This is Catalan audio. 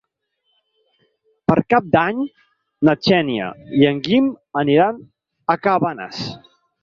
Per Cap d'Any na Xènia i en Guim aniran a Cabanes.